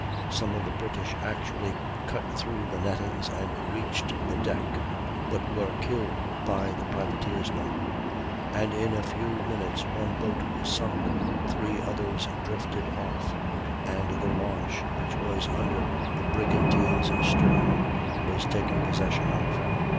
Some of the British actually cut through the nettings and reached the deck, but were killed by the privateersmen; and in a few minutes one boat was sunk, three others drifted off, and the launch, which was under the brigantine's stern, was taken possession of.